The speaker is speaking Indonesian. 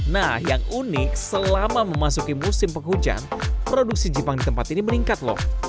nah yang unik selama memasuki musim penghujan produksi jepang di tempat ini meningkat loh